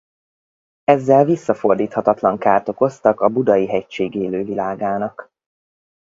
Ezzel visszafordíthatatlan kárt okoztak a Budai-hegység élővilágának.